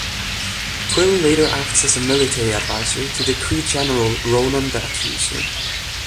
Quill later acts as military adviser to the Kree General Ronan the Accuser.